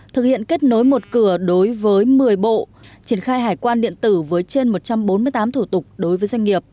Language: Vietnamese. thực hiện kết nối một cửa đối với một mươi bộ triển khai hải quan điện tử với trên một trăm bốn mươi tám thủ tục đối với doanh nghiệp